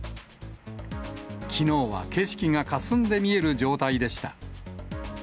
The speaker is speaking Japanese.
きのうは、景色がかすんで見える状態でした。